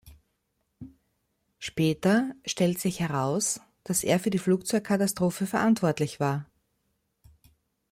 Später stellt sich heraus, dass er für die Flugzeugkatastrophe verantwortlich war.